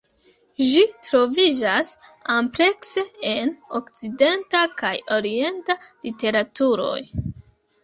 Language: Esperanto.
Ĝi troviĝas amplekse en okcidenta kaj orienta literaturoj.